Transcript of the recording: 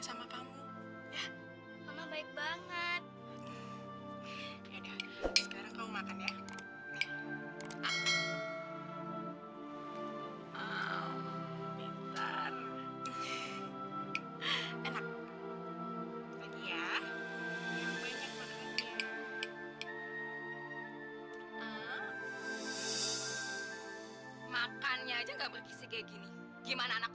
sampai jumpa di video selanjutnya